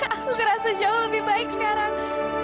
aku ngerasa jauh lebih baik sekarang